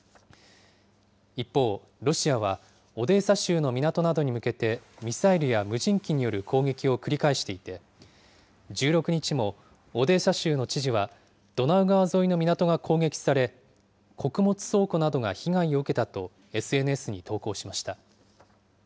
一方、ロシアはオデーサ州の港などに向けて、ミサイルや無人機による攻撃を繰り返していて、１６日もオデーサ州の知事は、ドナウ川沿いの港が攻撃され、穀物倉庫などが被害を受けたと、ＳＮＳに投稿しました。